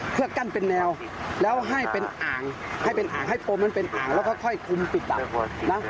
เพื่อกั้นเป็นแนวแล้วให้เป็นอ่างให้โพรมมันเป็นอ่างแล้วก็ค่อยคุ้มปิดอ่าง